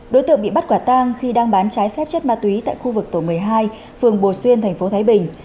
đối tượng bị bắt quả tang khi đang bán trái phép chất ma túy tại khu vực tổ một mươi hai phường bồ xuyên thành phố thái bình